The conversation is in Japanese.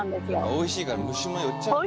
おいしいから虫も寄っちゃうんだよ。